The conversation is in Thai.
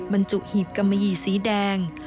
บรรจุหีบกะมะหยี่สีแดง